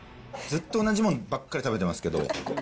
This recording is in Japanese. ずっと同じもんばっかり食べてますけど。